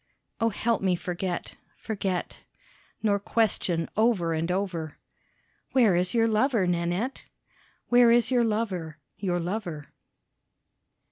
Oh, help me forget forget, Nor question over and over, "Where is your lover, Nanette? Where is your lover your lover?"